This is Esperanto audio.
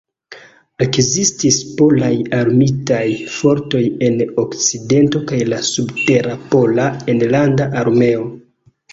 Ekzistis Polaj Armitaj Fortoj en Okcidento kaj la subtera Pola Enlanda Armeo.